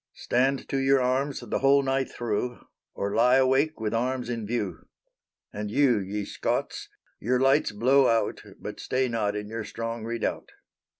Stand to your arms the whole night thro' Or lie awake with arms in view. And you, ye Scots, your lights blow out, But stay not in your strong redoubt.